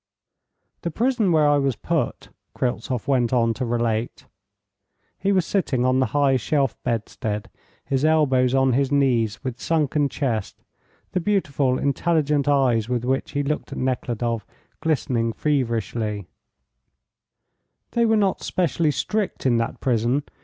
"The prison where I was put," Kryltzoff went on to relate (he was sitting on the high shelf bedstead, his elbows on his knees, with sunken chest, the beautiful, intelligent eyes with which he looked at Nekhludoff glistening feverishly) "they were not specially strict in that prison.